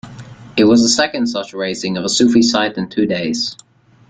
It was the second such razing of a Sufi site in two days.